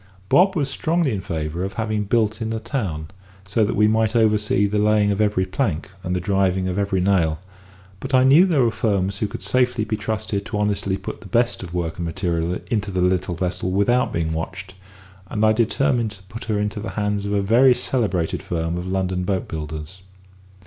Bob was strongly in favour of having her built in the town, so that we might oversee the laying of every plank, and the driving of every nail; but I knew there were firms who could safely be trusted to honestly put the best of work and material into the little vessel without being watched; and I determined to put her into the hands of a very celebrated firm of London boat builders.